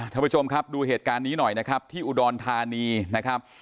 ท่านผู้ชมครับดูเหตุการณ์นี้หน่อยนะครับที่อุดรธานีนะครับ